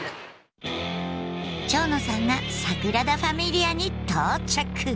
蝶野さんがサグラダ・ファミリアに到着。